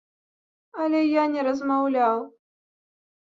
Але я не размаўляў.